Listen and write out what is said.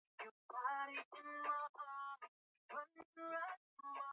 Rubani anakimbia